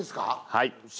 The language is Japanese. はい。